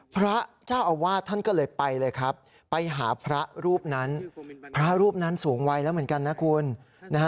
พระเจ้าอาวาสท่านก็เลยไปเลยครับไปหาพระรูปนั้นพระรูปนั้นสูงวัยแล้วเหมือนกันนะคุณนะฮะ